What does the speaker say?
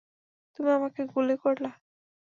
তুমি আমাকে গুলি করলা।